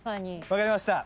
分かりました。